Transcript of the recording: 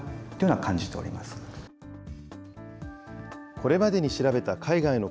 これまでに調べた海外の